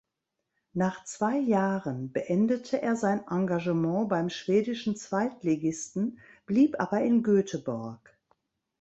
Nach zwei Jahren beendete er sein Engagement beim schwedischen Zweitligisten, blieb aber in Göteborg.